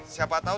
siapa tau tuh